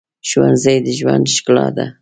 ښوونځی د ژوند ښکلا ده